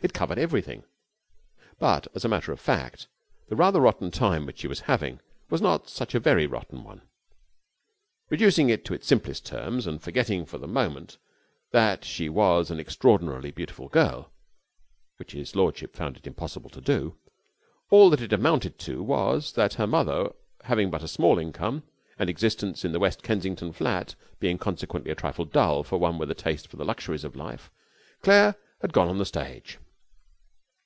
It covered everything. But, as a matter of fact, the rather rotten time which she was having was not such a very rotten one. Reducing it to its simplest terms, and forgetting for the moment that she was an extraordinarily beautiful girl which his lordship found it impossible to do all that it amounted to was that, her mother having but a small income, and existence in the West Kensington flat being consequently a trifle dull for one with a taste for the luxuries of life, Claire had gone on the stage.